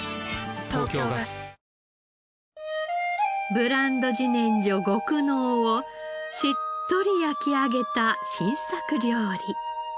ブランド自然薯「極濃」をしっとり焼き上げた新作料理。